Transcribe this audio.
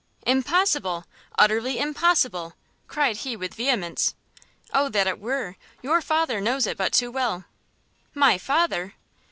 "Impossible! utterly impossible!" cried he with vehemence. "Oh that it were! your father knows it but too well." "My father!"